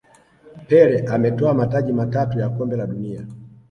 pele ametwaa mataji matatu ya kombe la dunia